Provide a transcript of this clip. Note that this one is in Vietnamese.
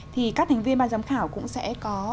thì các thành viên ban giám khảo cũng sẽ có